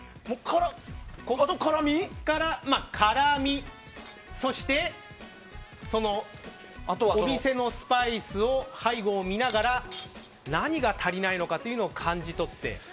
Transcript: ここから辛味とお店のスパイスの配合を見ながら何が足りないのかというのを感じ取って。